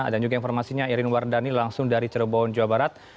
dan juga informasinya irin wardani langsung dari cirebon jawa barat